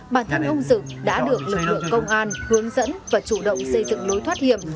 bản thân ông dực đã được lực lượng công an hướng dẫn và chủ động xây dựng lối thoát hiểm